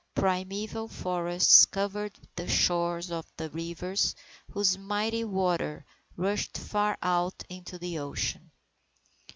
Primeval forests covered the shores of the rivers whose mighty waters rushed far out into the ocean.